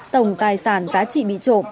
tổng tài sản giá trị bị trộm